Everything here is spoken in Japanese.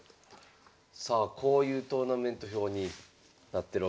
さあこういうトーナメント表になってるわけですね。